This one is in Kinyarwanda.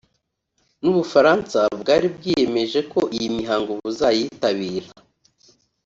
n’Ubufaransa bwari bwiyemeje ko iyi mihango buzayitabira